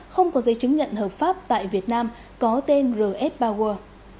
không có dây chứng nhận hợp pháp tại việt nam có tên rf power